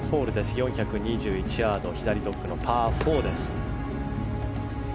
４２１ヤード左ドッグのパー４です。